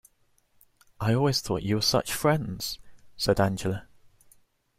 "I always thought you were such friends," said Angela.